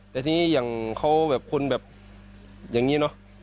แต่ทีนี้อย่างเขาแบบคนแบบอย่างนี้เนอะ